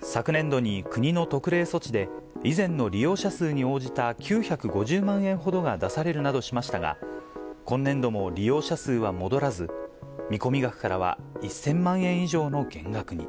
昨年度に国の特例措置で以前の利用者数に応じた９５０万円ほどが出されるなどしましたが、今年度も利用者数は戻らず、見込み額からは１０００万円以上の減額に。